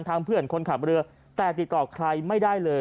เพื่อนคนขับเรือแต่ติดต่อใครไม่ได้เลย